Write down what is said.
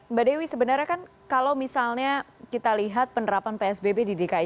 mbak dewi sebenarnya kan kalau misalnya kita lihat penerapan psbb di dki jakarta